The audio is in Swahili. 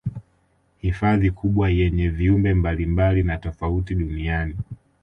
Hifadhi kubwa yenye viumbe mbalimbali na tofauti duniani